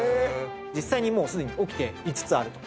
実際にもうすでに起きていつつあると。